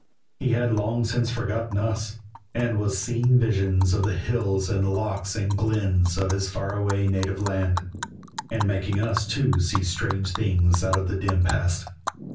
He had long since forgotten us, and was seeing visions of the hills and lochs and glens of his far away native land, and making us, too, see strange things out of the dim past.